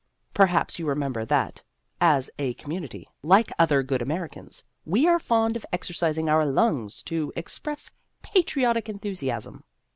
Perhaps you remember that, as a com munity, like other good Americans, we are fond of exercising our lungs to express patriotic enthusiasm.